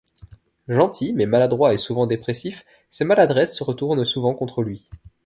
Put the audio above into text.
Gentil mais maladroit et souvent dépressif, ses maladresses se retournent souvent contre lui.